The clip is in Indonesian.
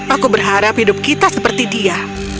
aku berharap hidup kita seperti dia